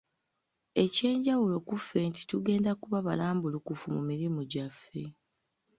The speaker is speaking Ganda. Ekyenjawulo ku ffe nti tugenda kuba balambulukufu mu mirimu gyaffe.